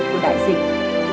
của đại dịch